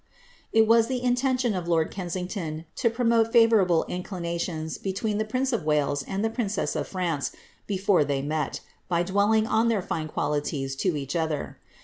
It was the intention of lord Kensington to promote favourable incli nations between the prince of Wales and the princess of France before they met, by dwelling on their fine qualities to each other.